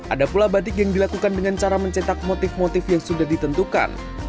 ada pula batik yang dilakukan dengan cara mencetak motif motif yang sudah ditentukan